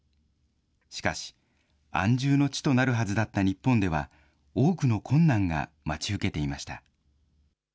しかし、安住の地となるはずだった日本では、多くの困難が待ち受けていました。